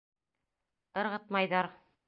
Ырғытмайҙар.